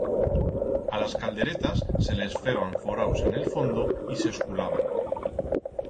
A las calderetas se les feban foraus en el fondo y s'esculaban.